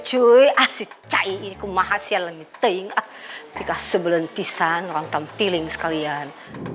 cuy asyik cair ini kumahasial niting pika sebelum pisan orang tampiling sekalian